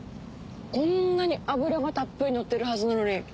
こんなに脂がたっぷりのってるはずなのに。